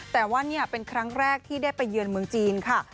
แต่ว่านี่เป็นครั้งแรกที่ได้ไปเยือนเมืองจีนค่ะ